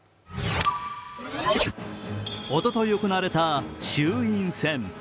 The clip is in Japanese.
おととい行われた衆院選。